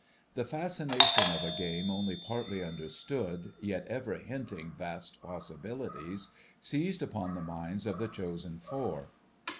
The fascination of a game only partly understood, yet ever hinting vast possibilities, seized upon the minds of the Chosen Four.